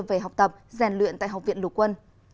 về học tập rèn luyện tại học viện lục quân